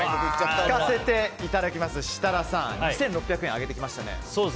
聞かせていただきます、設楽さん２６００円上げましたね。